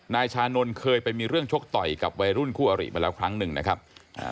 นายชานนท์เคยไปมีเรื่องชกต่อยกับวัยรุ่นคู่อริมาแล้วครั้งหนึ่งนะครับอ่า